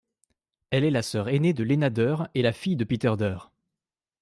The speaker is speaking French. Elle est la sœur aînée de Lena Dürr et la fille de Peter Dürr.